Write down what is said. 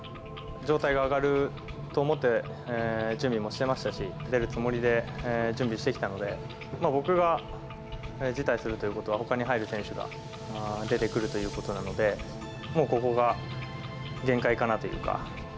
状態が上がると思って準備もしてましたし、出るつもりで準備してきたので、僕が辞退するということは、ほかに入る選手が出てくるということなので、もうここが限界かなというか。